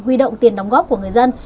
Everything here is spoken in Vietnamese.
huy động tiền đóng góp của người dân